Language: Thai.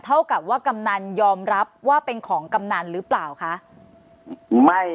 เท่ากับว่ากำนันยอมรับว่าเป็นของกำนันหรือเปล่าคะ